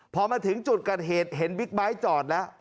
พอมาถึงจุดเกิดเหตุเห็นบิ๊กไบท์จอดแล้ว